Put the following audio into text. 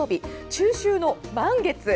中秋の名月。